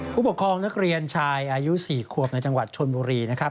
ผู้ปกครองนักเรียนชายอายุ๔ขวบในจังหวัดชนบุรีนะครับ